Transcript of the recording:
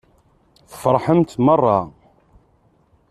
Tfeṛḥemt meṛṛa.